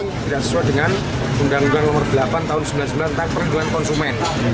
yang tidak sesuai dengan undang undang nomor delapan tahun seribu sembilan ratus sembilan puluh sembilan tentang perlindungan konsumen